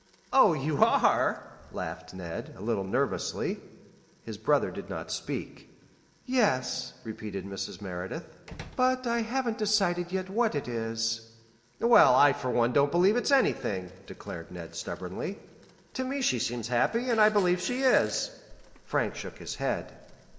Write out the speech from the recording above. "Oh, you are," laughed Ned, a little nervously. His brother did not speak. "Yes," repeated Mrs. Merideth; "but I haven't decided yet what it is." "Well, I for one don't believe it's anything," declared Ned, stubbornly. "To me she seems happy, and I believe she is." Frank shook his head.